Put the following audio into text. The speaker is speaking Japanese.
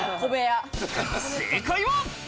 正解は。